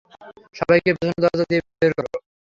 সবাইকে পেছন দরজা দিয়ে বের কর।